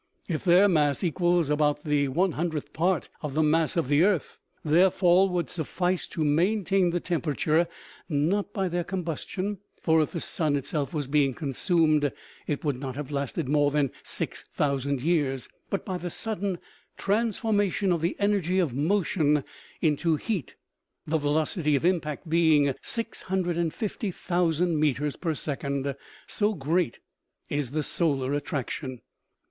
If their mass equals about the one hundredth part of the mass of the earth, their fall would suffice to maintain the temperature, not by their combustion, for if the sun itself was being consumed it would not have lasted more than six thousand years, but by the sudden trans formation of the energy of motion into heat, the ve locity of impact being 650,000 meters per second, so great is the solar attraction.